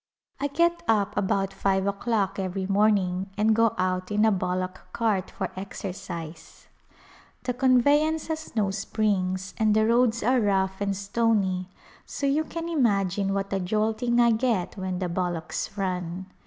I get up about five o'clock every morning and go out in a bullock cart for exercise. The conveyance A Pilgrimage has no springs and the roads are rough and stony so you can imagine what a jolting I get when the bul locks run.